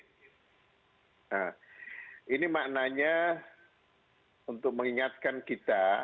nah ini maknanya untuk mengingatkan kita